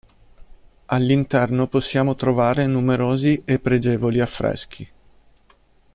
All'interno possiamo trovare numerosi e pregevoli affreschi.